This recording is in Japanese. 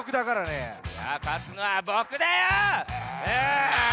いやかつのはボクだよ！